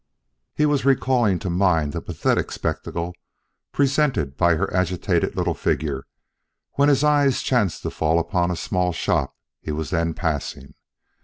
He was recalling to mind the pathetic spectacle presented by her agitated little figure, when his eyes chanced to fall upon a small shop he was then passing.